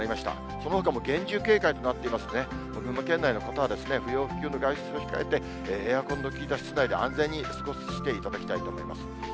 そのほかも厳重警戒となっていますんですね、群馬県内の方は、不要不急の外出を控えて、エアコンの効いた室内で安全に過ごしていただきたいと思います。